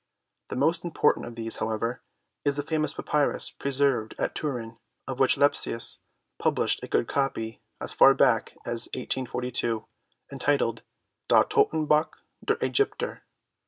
The most important of these, however, is the famous papyrus preserved at Turin, of which Lepsius published a good copy as far back as 1842 entitled Das Todtenbuch der Aegypter.